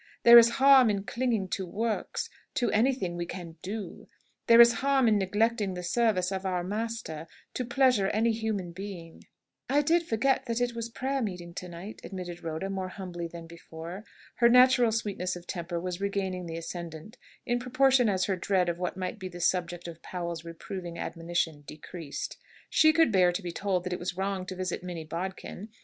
There is harm in clinging to works to anything we can do. There is harm in neglecting the service of our Master to pleasure any human being." "I did forget that it was prayer meeting night," admitted Rhoda, more humbly than before. Her natural sweetness of temper was regaining the ascendant, in proportion as her dread of what might be the subject of Powell's reproving admonition decreased. She could bear to be told that it was wrong to visit Minnie Bodkin.